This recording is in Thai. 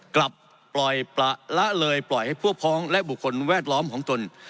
กลับปล่อยประละเลยปล่อยให้พวกพ้องและบุคคลแวดล้อมของตน